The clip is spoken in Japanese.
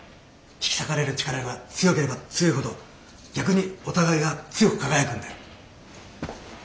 引き裂かれる力が強ければ強いほど逆にお互いが強く輝くんだよ。